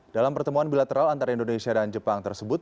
dalam pertemuan bilateral antara indonesia dan jepang tersebut